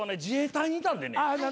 自衛隊にいたんでね